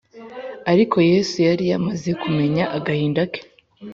Ariko Yesu yari yamaze kumenya agahinda ke